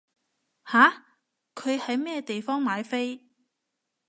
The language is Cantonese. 吓？佢喺咩地方買飛？